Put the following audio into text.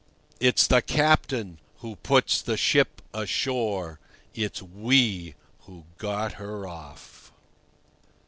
It's the captain who puts the ship ashore; it's we who get her off.